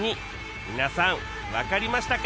皆さんわかりましたか？